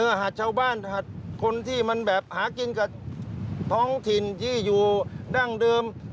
หาดชาวบ้านหาดคนที่มันแบบหากินกับท้องถิ่นที่อยู่ดั้งเดิม